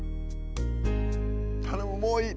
頼むもういい。